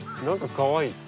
何かかわいい。